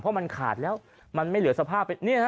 เพราะมันขาดแล้วมันไม่เหลือสภาพ